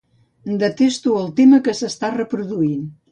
Detesto el tema que s'està reproduint.